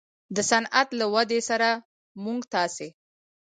د صنعت له ودې سره موږ تاسې